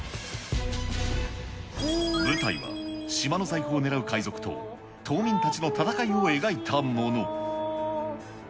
舞台は島の財宝を狙う海賊と、島民たちの戦いを描いたもの。